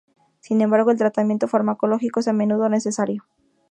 Sin embargo, el tratamiento farmacológico es a menudo necesario.